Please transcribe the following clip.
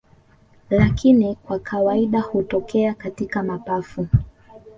Lakini kwa kawaida hutokea katika mapafu